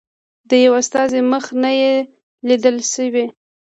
د یوه استازي مخ نه دی لیدل شوی.